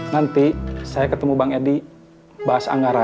nanti saya ketemu bang edi bahas anggaran